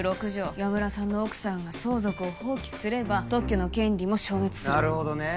岩村さんの奥さんが相続を放棄すれば特許の権利も消滅するなるほどねえ